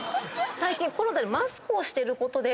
最近コロナでマスクをしてることで。